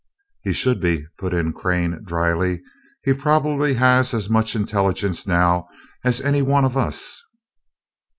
"He should be," put in Crane, dryly. "He probably has as much intelligence now as any one of us."